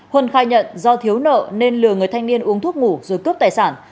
huân khai nhận do thiếu nợ nên lừa người thanh niên uống thuốc ngủ rồi cướp tài sản